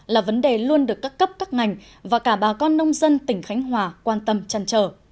là vấn đề luôn được các cấp các ngành và cả bà con nông dân tỉnh khánh hòa quan tâm chăn trở